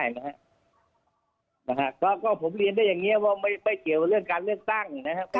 นะฮะก็ผมเรียนได้อย่างนี้ว่าไม่เกี่ยวกับเรื่องการเลือกตั้งนะครับ